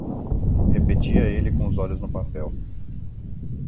Repetia ele com os olhos no papel.